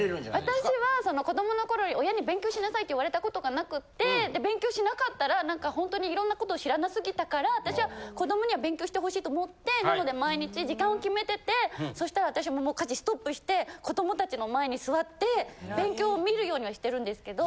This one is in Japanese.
私は子どもの頃に親に勉強しなさいって言われた事がなくって勉強しなかったら何かホントにいろんな事を知らなすぎたから私は子どもには勉強してほしいと思ってなので毎日時間を決めててそしたら私も家事ストップして子どもたちの前に座って勉強見るようにはしてるんですけど。